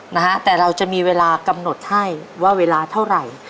นะฮะแต่เราจะมีเวลากำหนดให้ว่าเวลาเท่าไหร่